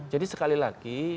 jadi sekali lagi